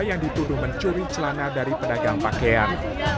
yang dituduh mencuri celana dari pedagang pakaian